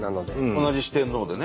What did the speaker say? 同じ四天王でね。